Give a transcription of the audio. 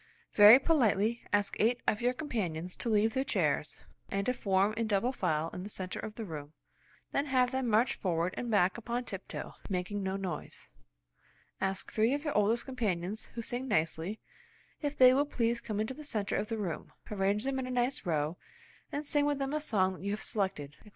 "Very politely ask eight of your com panions to leave their chairs, and to form in double file in the centre of the room, then have them march forward and back on tiptoe, making no noise." "Ask three of your oldest companions who sing nicely, if they will please come into the centre of the room. Arrange them in a nice row, and sing with them a song that you have selected," etc.